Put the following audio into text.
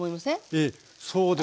ええそうです。